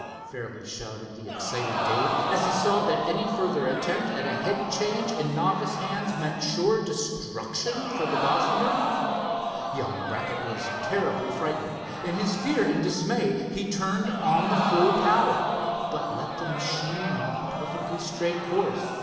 fairly shouted the excited Dave, as he saw that any further attempt at a head change in novice hands meant sure destruction for the Gossamer. Young Brackett was terribly frightened. In his fear and dismay he turned on the full power, but let the machine run a perfectly straight course.